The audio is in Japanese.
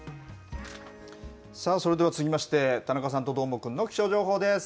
それでは続きまして、田中さんとどーもくんの気象情報です。